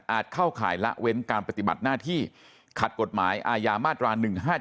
เข้าข่ายละเว้นการปฏิบัติหน้าที่ขัดกฎหมายอาญามาตรา๑๕๗